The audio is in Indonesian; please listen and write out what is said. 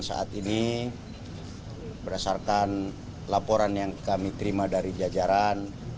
saat ini berdasarkan laporan yang kami terima dari jajaran